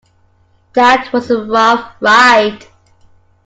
That was a rough ride.